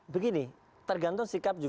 begini tergantung sikap juga